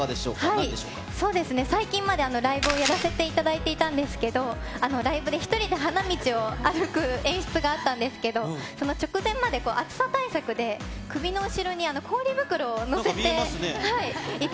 なんでしょう最近までライブをやらせていただいていたんですけど、ライブで１人で花道を歩く演出があったんですけど、その直前まで、暑さ対策で首の後ろに氷袋を載せていて。